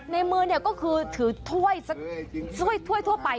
ในมือเนี่ยก็คือถือถ้วยทั่วไป